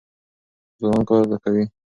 ځوانان کار زده کوي.